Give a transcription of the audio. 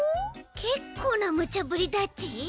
けっこうなムチャぶりだち。